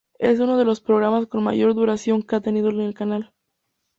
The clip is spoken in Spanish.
Es uno de los programas con mayor duración que ha tenido en el canal.